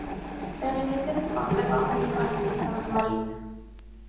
En la iglesia se conserva una imagen de Santa Marina.